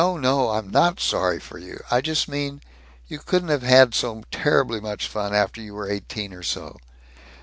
No! I'm not sorry for you! I just mean, you couldn't have had so terribly much fun, after you were eighteen or so.